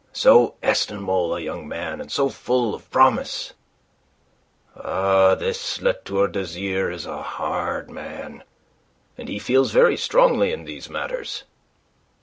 "So estimable a young man, and so full of promise. Ah, this La Tour d'Azyr is a hard man, and he feels very strongly in these matters.